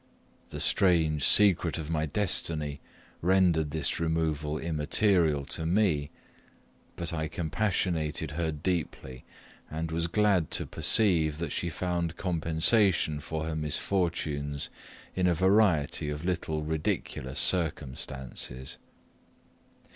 The strange secret of my destiny rendered this removal immaterial to me; but I compassionated her deeply, and was glad to perceive that she found compensation for her misfortunes in a variety of little ridiculous circumstances.